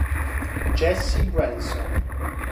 Jesse Branson